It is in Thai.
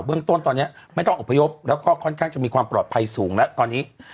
เรื่องต้นตอนนี้ไม่ต้องอบพยพแล้วก็ค่อนข้างจะมีความปลอดภัยสูงแล้วตอนนี้